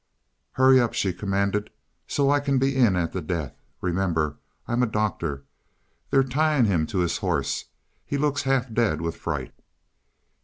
"Hurry up," she commanded, "so I can be in at the death. Remember, I'm a doctor. They're tying him to his horse he looks half dead with fright."